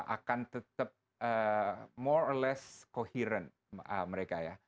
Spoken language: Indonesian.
akan tetap more or less coherent mereka ya